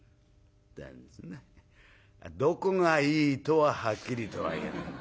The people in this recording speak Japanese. どこがいいとははっきりとは言わない。